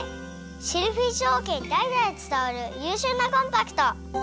シェルフィッシュおうけにだいだいつたわるゆうしゅうなコンパクト！